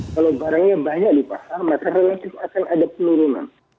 kalau barangnya banyak di pasar maka relatif akan ada penurunan